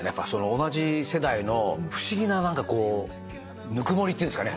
同じ世代の不思議なぬくもりっていうんですかね。